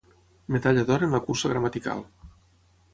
Medalla d'or en la cursa gramatical.